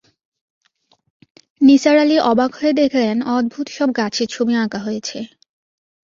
নিসার আলি অবাক হয়ে দেখলেন, অদ্ভুত সব গাছের ছবি আঁকা হয়েছে।